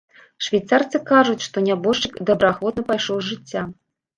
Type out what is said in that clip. Швейцарцы кажуць, што нябожчык добраахвотна пайшоў з жыцця.